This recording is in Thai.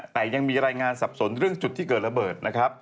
แต่ยังมีรายงานสับสนเรื่องจุดที่เกิดระเบิดนะครับ